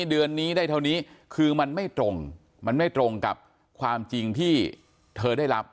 เดือนนี้ได้เท่านี้คือมันไม่ตรงมันไม่ตรงกับความจริงที่เธอได้รับ